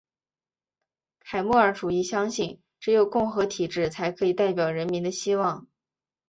凯末尔主义相信只有共和体制才可以代表人民的希望。